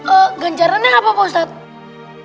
oh ganjarannya apa pak ustadz